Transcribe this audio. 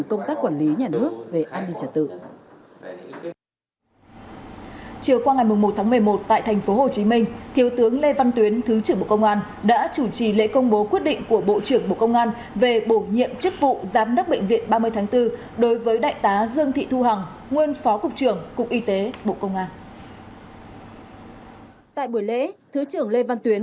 chiều qua ngày một mươi một tháng một mươi một tại thành phố hồ chí minh kiều tướng lê văn tuyến thứ trưởng bộ công an đã chủ trì lễ công bố quyết định của bộ trưởng bộ công an về bổ nhiệm chức vụ giám đốc bệnh viện ba mươi tháng bốn đối với đại tá dương thị thu hằng nguyên phó cục trưởng cục y tế bộ công an